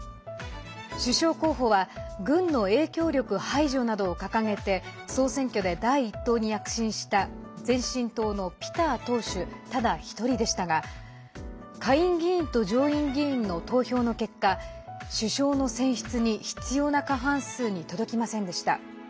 首相候補は軍の影響力排除などを掲げて総選挙で第１党に躍進した前進党のピター党首ただ一人でしたが下院議員と上院議員の投票の結果首相の選出に必要な過半数に届きませんでした。